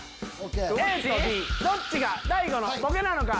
ＡとＢどっちが大悟のボケなのか。